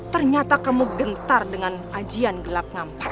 ternyata kamu gentar dengan ajian gelap ngampar